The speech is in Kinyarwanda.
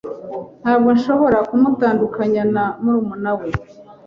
Ntabwo nshobora kumutandukanya na murumuna we.